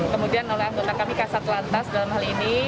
kemudian oleh anggota kami kasat lantas dalam hal ini